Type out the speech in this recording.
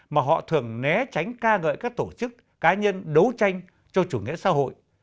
mà họ thường né tránh ca ngợi các tổ chức cá nhân đấu tranh cho chủ nghĩa xã hội